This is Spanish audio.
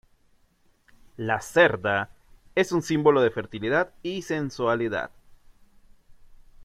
La cerda es un símbolo de fertilidad y sensualidad.